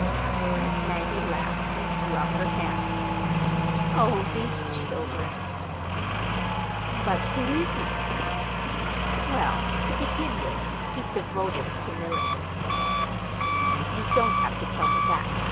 Miss Maggie laughed and threw up her hands. "Oh, these children!" "But who is he?" "Well, to begin with, he's devoted to Mellicent." "You don't have to tell me that.